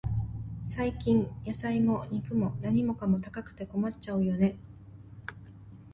最近、野菜も肉も、何かも高くて困っちゃうよね。